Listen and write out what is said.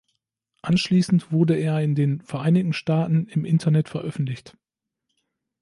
Anschließend wurde er in den Vereinigten Staaten im Internet veröffentlicht.